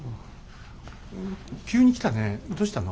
急に来たねどうしたの？